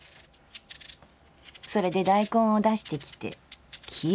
それで大根を出してきて切る」。